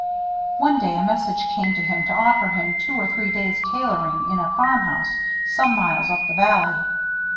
One day a message came to him to offer him two or three days' tailoring in a farm house some miles up the valley.